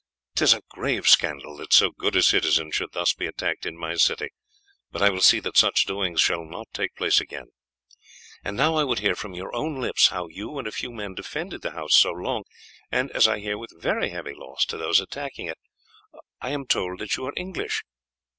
'Tis a grave scandal that so good a citizen should thus be attacked in my city, but I will see that such doings shall not take place again. And now I would hear from your own lips how you and a few men defended the house so long, and, as I hear, with very heavy loss to those attacking it. I am told that you are English."